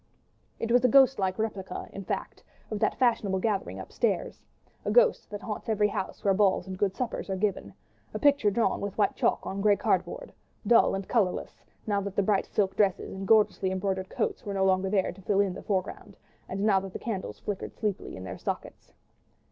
It was a ghostlike replica, in fact, of that fashionable gathering upstairs; a ghost that haunts every house where balls and good suppers are given; a picture drawn with white chalk on grey cardboard, dull and colourless, now that the bright silk dresses and gorgeously embroidered coats were no longer there to fill in the foreground, and now that the candles flickered sleepily in their sockets.